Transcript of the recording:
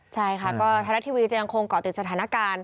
ใช่ค่ะก็ธนตร์ทีวีจะยังคงก่อติดสถานการณ์